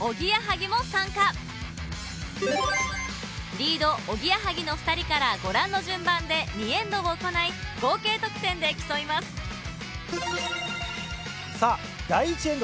リードおぎやはぎの２人からご覧の順番で２エンドを行い合計得点で競いますさぁ。